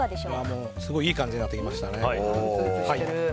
もうすごいいい感じになってきましたね。